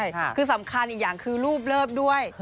ใช่ค่ะคือสำคัญอีกอย่างคือรูปเลิฟด้วย